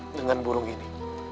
dengan burung ini